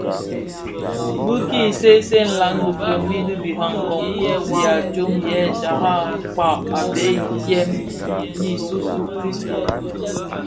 Bi ki seesee nlaň dhifombi di birakong kpusigha tsom yè tara kpag a bhëg dièm i Yesu Kristu,